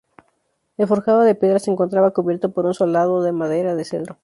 El forjado de piedra se encontraba cubierto por un solado de madera de cedro.